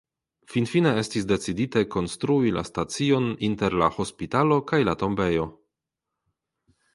Finfine estis decidite konstrui la stacion inter la hospitalo kaj la tombejo.